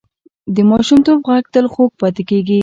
د ماشومتوب غږ تل خوږ پاتې کېږي